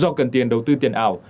do cần tiền đầu tư tiền ảo